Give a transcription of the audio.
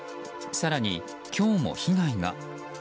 更に、今日も被害が。